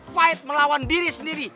fight melawan diri sendiri